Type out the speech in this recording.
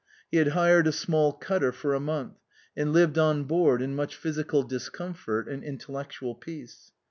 He had hired a small cutter for a month, and lived on board in much physical discomfort and intellectual peace.